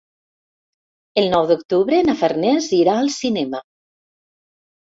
El nou d'octubre na Farners irà al cinema.